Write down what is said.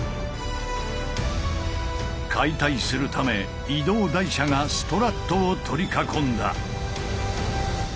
解体するため移動台車がストラットを取り囲んだ。